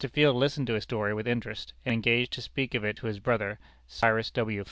Field listened to his story with interest, and engaged to speak of it to his brother, Cyrus W.